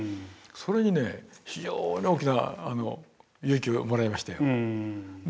それにね非常に大きな勇気をもらいましたよ。